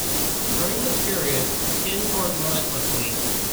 During this period, Skin toured relentlessly.